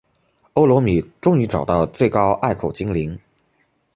欧罗米终于找到最高隘口精灵。